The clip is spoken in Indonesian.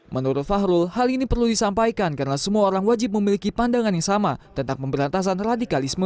menurut fahrul hal ini perlu disampaikan karena semua orang wajib memiliki pandangan yang sama tentang pemberantasan radikalisme